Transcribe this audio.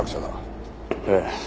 ええ。